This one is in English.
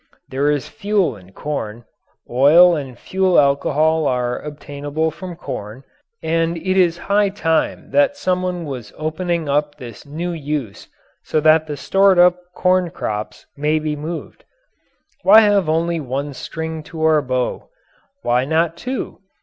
There is fuel in corn; oil and fuel alcohol are obtainable from corn, and it is high time that someone was opening up this new use so that the stored up corn crops may be moved. Why have only one string to our bow? Why not two?